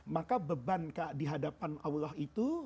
maka beban dihadapan allah itu